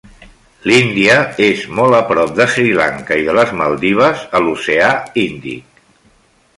L'Índia és molt a prop de Sri Lanka i de les Maldives, a l'oceà Índic.